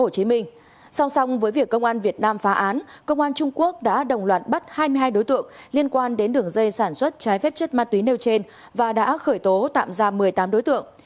công an trung quốc đã đồng loạn bắt hai mươi hai đối tượng liên quan đến đường dây sản xuất trái phép chất ma túy nêu trên và đã khởi tố tạm ra một mươi tám đối tượng